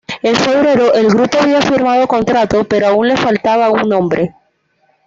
En febrero el grupo había firmado contrato pero aún les faltaba un nombre.